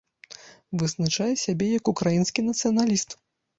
Вызначае сябе як украінскі нацыяналіст.